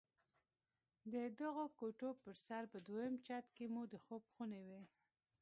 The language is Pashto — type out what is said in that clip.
د دغو کوټو پر سر په دويم چت کښې مو د خوب خونې وې.